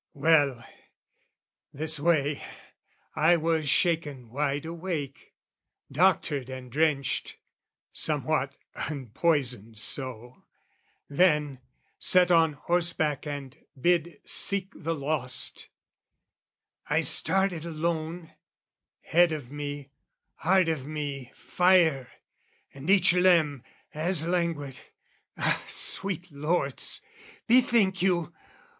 Well, this way I was shaken wide awake, Doctored and drenched, somewhat unpoisoned so; Then, set on horseback and bid seek the lost, I started alone, head of me, heart of me Fire, and each limb as languid...ah, sweet lords, Bethink you!